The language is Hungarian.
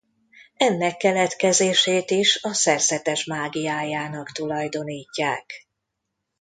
Ennek keletkezését is a szerzetes mágiájának tulajdonítják.